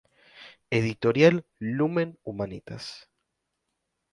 Editorial Lumen-Humanitas.